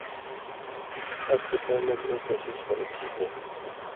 اس کتاب مژ اِیں کوشش کرہ چھی چے